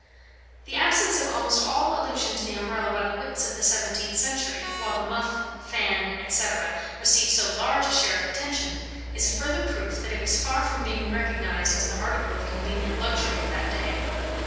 The absence of almost all allusion to the Umbrella by the wits of the seventeenth century, while the muff, fan, &c., receive so large a share of attention, is a further proof that it was far from being recognised as an article of convenient luxury at that day.